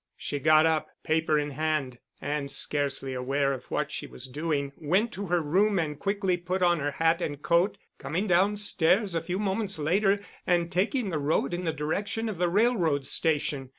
She got up, paper in hand, and scarcely aware of what she was doing, went to her room and quickly put on her hat and coat, coming down stairs a few moments later and taking the road in the direction of the Railroad Station.